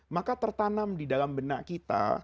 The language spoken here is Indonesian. maka tertanam di dalam benak kita